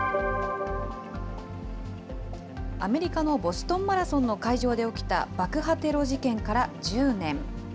アメリカのボストンマラソンの会場で起きた爆破テロ事件から１０年。